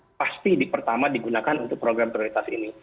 itu pasti pertama digunakan untuk program prioritas ini